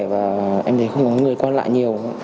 và em thấy không có người quan lại nhiều